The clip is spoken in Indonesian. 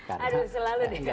aduh selalu deh